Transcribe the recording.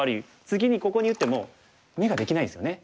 次にここに打っても眼ができないですよね。